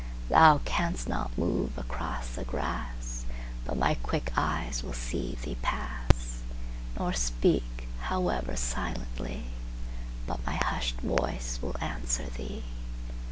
Thou canst not move across the grassBut my quick eyes will see Thee pass, Nor speak, however silently, But my hushed voice will answer Thee.